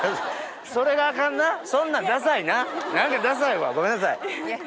それがアカンなそんなんダサいな何かダサいわごめんなさい。